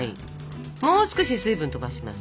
もう少し水分飛ばします。